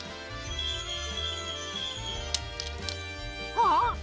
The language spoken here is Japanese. あっ！